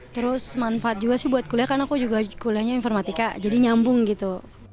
terus manfaat juga sih buat kuliah karena aku juga kuliahnya informatika jadi nyambung gitu